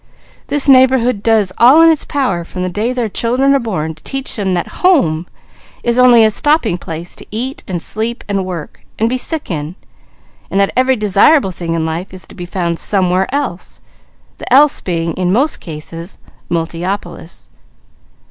This neighbourhood does all in its power, from the day their children are born, to teach them that home is only a stopping place, to eat, and sleep, and work, and be sick in; and that every desirable thing in life is to be found somewhere else, the else being, in most cases, Multiopolis.